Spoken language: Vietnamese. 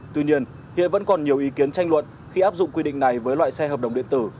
tuy nhiên hiện vẫn còn nhiều ý kiến tranh luận khi áp dụng quy định này với loại xe hợp đồng điện tử